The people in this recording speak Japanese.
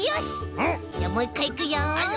じゃあもういっかいいくよ！